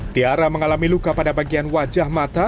tiara mengalami luka pada bagian wajah mata